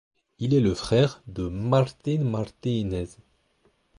Il est le frère de Martin Martinez.